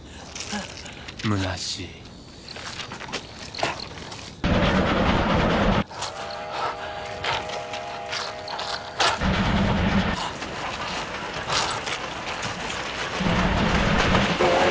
むなしい・あっ！